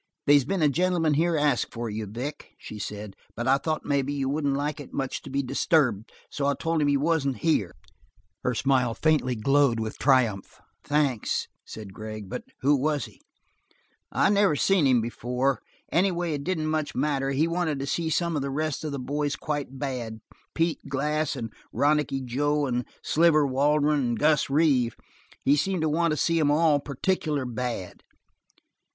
"They's been a gentleman here ask for you, Vic," she said, "but I thought maybe you wouldn't like it much to be disturbed. So I told him you wasn't here." Her smile fairly glowed with triumph. "Thanks," said Gregg, "but who was he?" "I never seen him before. Anyway, it didn't much matter. He wanted to see some of the rest of the boys quite bad: Pete Glass and Ronicky Joe, and Sliver Waldron, and Gus Reeve. He seemed to want to see 'em all particular bad."